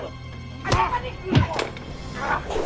ajaan apaan nih